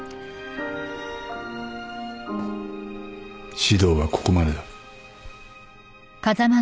指導はここまでだ。